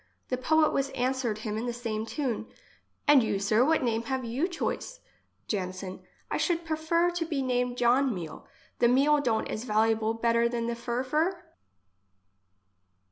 The poet was answered him in the same tune :—" And you, sir, what name have you choice ? Janson: I should prefer to be named John Meal. The meal don't is valuable better than the furfur?"